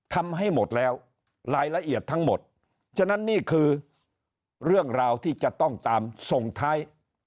ทำให้หมดแล้วรายละเอียดทั้งหมดฉะนั้นนี่คือเรื่องราวที่จะต้องตามส่งท้าย